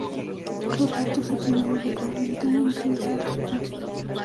Por lo tanto, es el primer europeo oriental en realizar esta función.